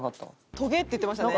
「トゲ」って言ってましたね。